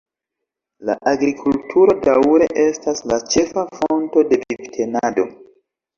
La agrikulturo daŭre estas la ĉefa fonto de vivtenado.